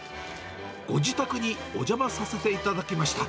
ご自宅にお邪魔させていただきました。